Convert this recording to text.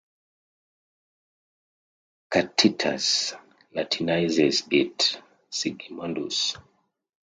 Tacitus Latinises it "Segimundus".